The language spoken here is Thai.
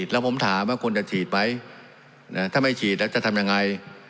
แล้วผมถามว่าควรจะฉีดไหมถ้าไม่ฉีดแล้วจะทำยังไง